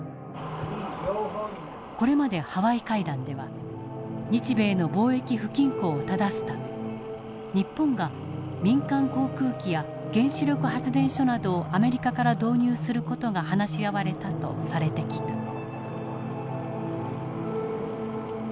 これまでハワイ会談では日米の貿易不均衡を正すため日本が民間航空機や原子力発電所などをアメリカから導入する事が話し合われたとされてきた。